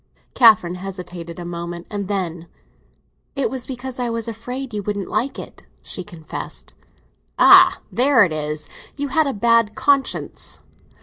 Catherine hesitated a moment, and then—"It was because I was afraid you wouldn't like it!" she confessed. "Ah, there it is! You had a bad conscience."